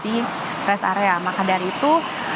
di rest area maka dari itu